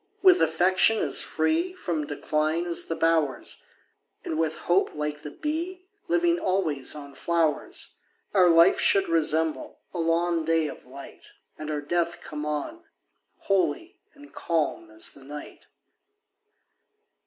With affection as free From decline as the bowers, And, with hope, like the bee, Living always on flowers, Our life should resemble a long day of light, And our death come on, holy and calm as the night.